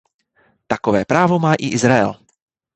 Takové právo má i Izrael.